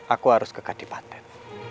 aku harus ke kadipaten